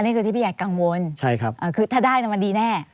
นี่คือที่พี่ใหญ่กังวลคือถ้าได้มันดีแน่